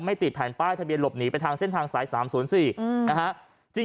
ติดแผ่นป้ายทะเบียนหลบหนีไปทางเส้นทางสาย๓๐๔นะฮะ